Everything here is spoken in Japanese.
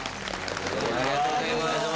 ありがとうございます。